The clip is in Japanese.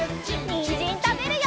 にんじんたべるよ！